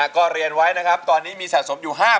ก็เรียนไว้นะครับตอนนี้มีสะสมอยู่๕๐๐